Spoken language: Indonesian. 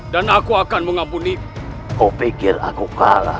dan aku akan mengampuni kau pikir aku kalah